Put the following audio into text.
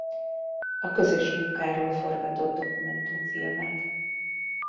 A közös munkáról forgatott dokumentumfilmet.